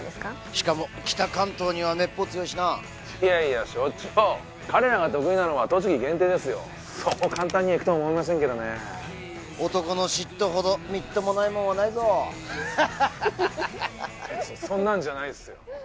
しかも北関東にはめっぽう強いしないやいや所長彼らが得意なのは栃木限定ですよそう簡単にいくと思いませんけどね男の嫉妬ほどみっともないもんはないぞハッハッハッハ別にそんなんじゃないっすよ